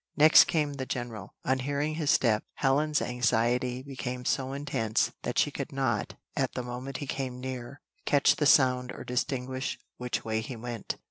Next came the general: on hearing his step, Helen's anxiety became so intense, that she could not, at the moment he came near, catch the sound or distinguish which way he went.